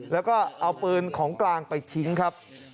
แล้วก็เอาปืนของกลางไปทิ้งครับ